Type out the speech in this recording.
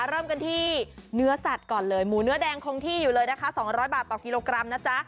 เริ่มกันที่เนื้อสัตว์ก่อนเลยหมูเนื้อแดงคงที่อยู่เลยนะคะ๒๐๐บาทต่อกิโลกรัมนะจ๊ะ